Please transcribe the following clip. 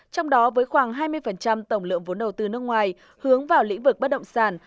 trong đó với khoảng hai mươi tổng lượng vốn đầu tư nước ngoài hướng vào lĩnh vực bất động sản